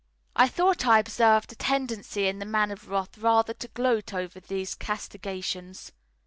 I thought I observed a tendency in the Man of Wrath rather to gloat over these castigations.